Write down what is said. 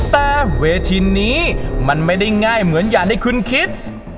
แต่เวทีนี้มันไม่ได้ง่ายเหมือนอย่างที่คุณคิด